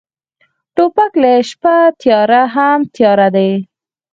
توپک له شپه تیاره هم تیاره دی.